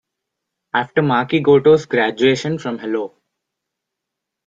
After Maki Goto's graduation from Hello!